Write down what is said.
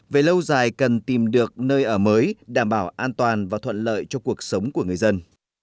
về lâu dài cần tìm được nơi ở mới đảm bảo an toàn và thuận lợi cho cuộc sống của người dân